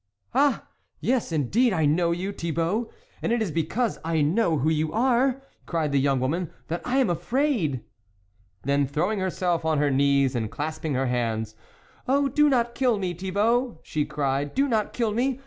" Ah ! yes indeed, I know you, Thi bault ; and it is because I know who you are," cried the young woman, " that I am afraid !" Then throwing herself on her knees, and clasping her hands :" Oh do not kill me, Thibault !" she cried, " do not kill me